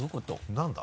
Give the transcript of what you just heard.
何だ？